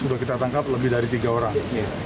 sudah kita tangkap lebih dari tiga orang